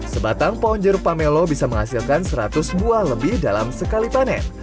sebatang pohon jeruk pamelo bisa menghasilkan seratus buah lebih dalam sekali panen